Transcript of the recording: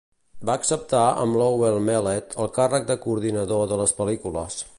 Va acceptar amb Lowell Mellett el càrrec de coordinador de les pel·lícules.